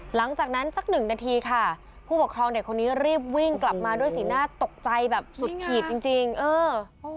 หลังจากนั้นสักหนึ่งนาทีค่ะผู้ปกครองเด็กคนนี้รีบวิ่งกลับมาด้วยสีหน้าตกใจแบบสุดขีดจริงจริงเออ